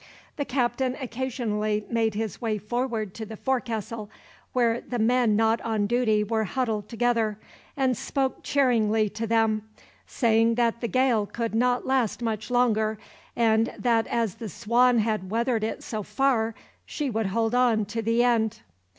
The captain occasionally made his way forward to the forecastle, where the men not on duty were huddled together, and spoke cheeringly to them, saying that the gale could not last much longer, and that as the Swan had weathered it so far, she would hold on to the end.